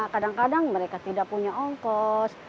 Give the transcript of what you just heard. kadang kadang mereka tidak punya ongkos